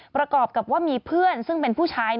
ประกอบกับว่ามีเพื่อนซึ่งเป็นผู้ชาย